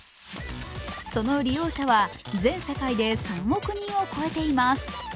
その利用者は全世界で３億人を超えています。